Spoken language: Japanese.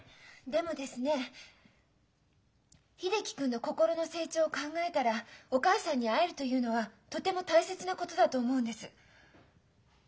でもですね秀樹君の心の成長を考えたらお母さんに会えるというのはとても大切なことだと思うんです。